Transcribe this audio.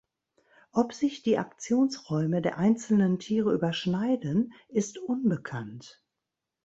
Ob sich die Aktionsräume der einzelnen Tiere überschneiden ist unbekannt.